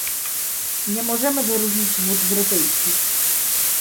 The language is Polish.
"nie możemy wyróżnić wód brytyjskich